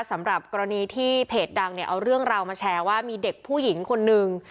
สำหรับกรณีที่เพจดังเนี่ยเอาเรื่องราวมาแชร์ว่ามีเด็กผู้หญิงคนนึง